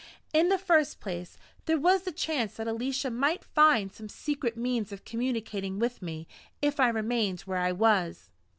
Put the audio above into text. In the first place, there was the chance that Alicia might find some secret means of communicating with me if I remained where I was.